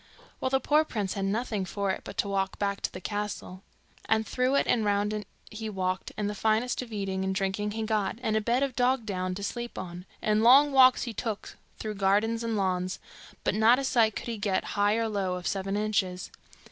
Well, the poor prince had nothing for it but to walk back to the castle; and through it and round it he walked, and the finest of eating and drinking he got, and a bed of bog down to sleep on, and long walks he took through gardens and lawns, but not a sight could he get, high or low, of Seven Inches.